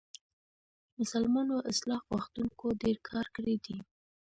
مسلمانو اصلاح غوښتونکو ډېر کار کړی دی.